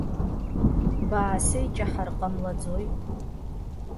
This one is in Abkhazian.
Баасеиҷаҳар ҟамлаӡои.